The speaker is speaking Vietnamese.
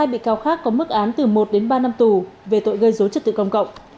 một mươi bị cáo khác có mức án từ một đến ba năm tù về tội gây dối trật tự công cộng